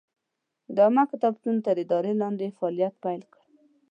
د عامه کتابتون تر ادارې لاندې یې فعالیت پیل کړ.